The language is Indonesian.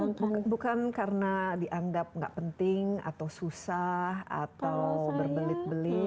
bukan karena dianggap nggak penting atau susah atau berbelit belit